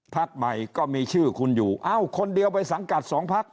พักใหม่ก็มีชื่อคุณอยู่เอ้าคนเดียวไปสังกัดสองพัก